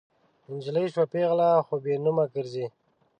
نجلۍ شوه پیغله خو بې نومه ګرزي